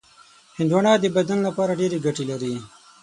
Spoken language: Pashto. هندوانه د بدن لپاره ډېرې ګټې لري.